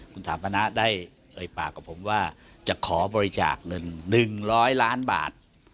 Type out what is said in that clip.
คุณถาปณะได้เอ่ยปากกับผมว่าจะขอบริจาคเงิน๑๐๐ล้านบาท